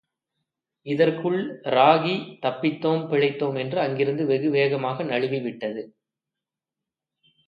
இதற்குள் ராகி, தப்பித்தோம், பிழைத்தோம் என்று அங்கிருந்து வெகு வேகமாக நழுவிவிட்டது!